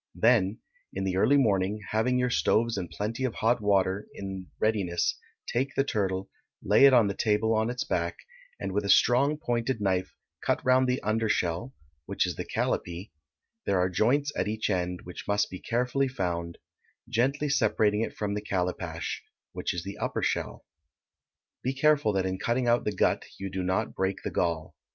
Then, early in the morning, having your stoves and plenty of hot water in readiness, take the turtle, lay it on the table on its back, and with a strong pointed knife cut round the under shell (which is the callipee), there are joints at each end, which must be carefully found, gently separating it from the callipash (which is the upper shell); be careful that in cutting out the gut you do not break the gall.